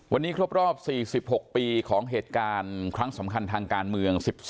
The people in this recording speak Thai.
วันนี้ครบรอบ๔๖ปีของเหตุการณ์ครั้งสำคัญทางการเมือง๑๒